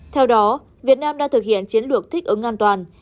theo đó việt nam đã thực hiện chiến lược thích ứng an toàn